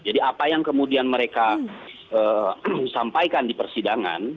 jadi apa yang kemudian mereka sampaikan di persidangan